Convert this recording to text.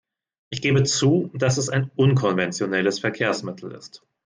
Ich gebe zu, dass es ein unkonventionelles Verkehrsmittel ist.